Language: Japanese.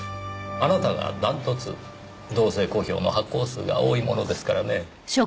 あなたが断トツ動静小票の発行数が多いものですからね。